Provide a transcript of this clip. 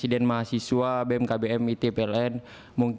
itu nyala itu di belakang tuh